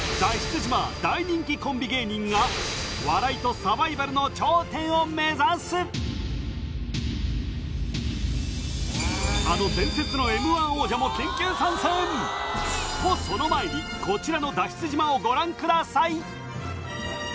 島大人気コンビ芸人が笑いとサバイバルの頂点を目指すあのとその前にこちらの脱出島をご覧ください